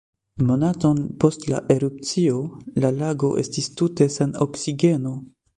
Monaton post la erupcio, la lago estis tute sen oksigeno.